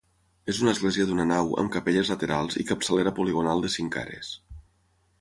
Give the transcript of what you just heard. És una església d'una nau amb capelles laterals i capçalera poligonal de cinc cares.